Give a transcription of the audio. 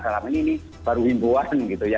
dalam ini ini baru himbuan gitu ya